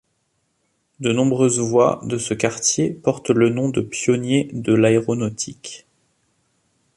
De nombreuses voies de ce quartier portent le nom de pionniers de l’aéronautique.